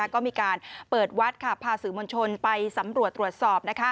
ก็มีการเปิดวัดพาสื่อมวลชนไปสำรวจตรวจสอบ